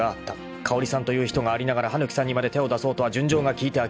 ［香織さんという人がありながら羽貫さんにまで手を出そうとは純情が聞いてあきれる］